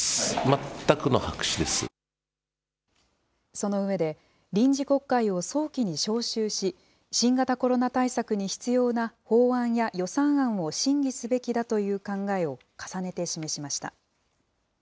その上で、臨時国会を早期に召集し、新型コロナ対策に必要な法案や予算案を審議すべきだという考えを重ねて示しました。